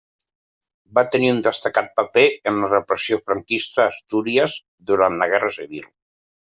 Va tenir un destacat paper en la repressió franquista a Astúries durant la Guerra civil.